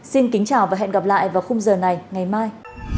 xin kính chào và hẹn gặp lại vào khung giờ này ngày mai